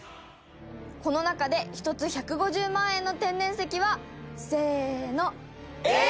この中で１つ１５０万円の天然石はせーの！